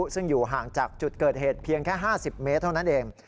ซึ่งอยู่ห่างจากจุดเกิดเหตุเพียงแค่๕๐เมตรเท่านั้นเอง